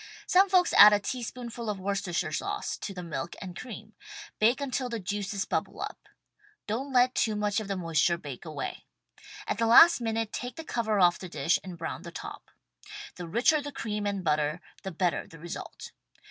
Some folks add a teaspoonful of Worcester shire sauce to the milk and cream. Bake until the juices bubble up. Don't let too much of the moisture bake away. At the last minute take the cover off the dish and brown the top. The richer the cream and butter the better the result.